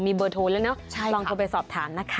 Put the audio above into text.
มีเบอร์โทนแล้วเนาะลองกันไปสอบฐานนะค่ะ